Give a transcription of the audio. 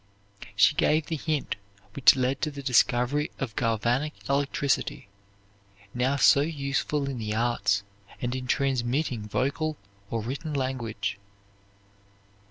She gave the hint which led to the discovery of galvanic electricity, now so useful in the arts and in transmitting vocal or written language.